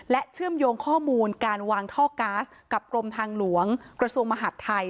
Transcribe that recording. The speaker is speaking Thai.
เชื่อมโยงข้อมูลการวางท่อก๊าซกับกรมทางหลวงกระทรวงมหาดไทย